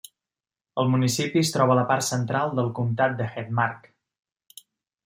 El municipi es troba a la part central del comtat de Hedmark.